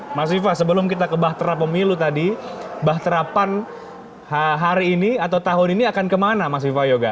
baik nah mas ifah sebelum kita ke baktera pemilu tadi bakterapan hari ini atau tahun ini akan kemana mas ifah yoga